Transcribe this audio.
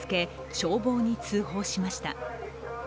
消防に通報しました。